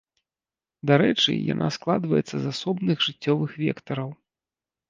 Дарэчы, яна складваецца з асобных жыццёвых вектараў.